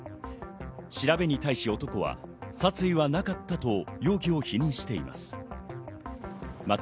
調べに対し男は殺意はなかったと容疑を否認しています。